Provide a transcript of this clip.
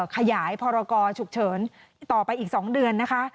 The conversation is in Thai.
ขยายพรกรฉุกเฉินต่อไปอีก๒เดือนนะคะ